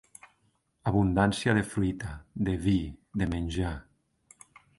Abundància de fruita, de vi, de menjar.